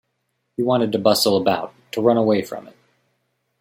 He wanted to bustle about, to run away from it.